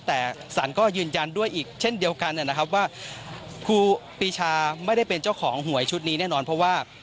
แต่สารก็ยืนยันด้วยอีกเช่นเดียวกันนะครับว่าครูปีชาไม่ได้เป็นเจ้าของหวยชุดนี้แน่นอนเพราะว่า